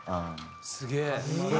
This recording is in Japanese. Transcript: すげえ！